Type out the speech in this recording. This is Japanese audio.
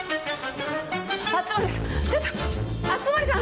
熱護ちょっと熱護さん